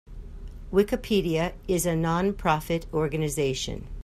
Wikipedia is a non-profit organization.